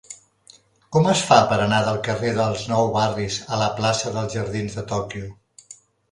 Com es fa per anar del carrer dels Nou Barris a la plaça dels Jardins de Tòquio?